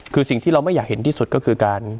คือสิ่งที่เราไม่อยากเห็นที่สุดก็คือการ